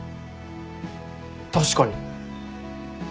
確かに。